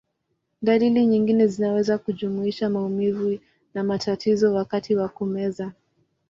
Dalili nyingine zinaweza kujumuisha maumivu na matatizo wakati wa kumeza.